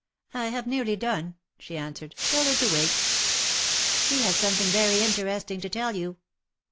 I have nearly done," she answered. Tell her to wait." She has something very interesting to tell you."